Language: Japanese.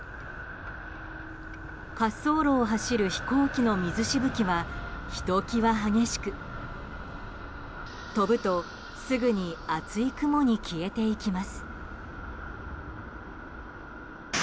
滑走路を走る飛行機の水しぶきはひときわ激しく飛ぶと、すぐに厚い雲に消えていきます。